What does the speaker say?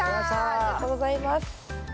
ありがとうございます。